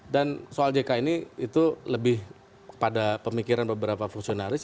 dan soal jk ini itu lebih pada pemikiran beberapa fungsionalis